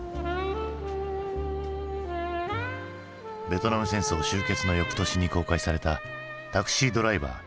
ベトナム戦争終結の翌年に公開された「タクシードライバー」。